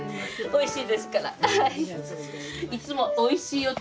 おいしいですから。